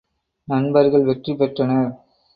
நண்பர்கள் வெற்றி பெற்றனர்.